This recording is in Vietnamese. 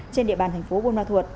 trên địa bàn tp hcm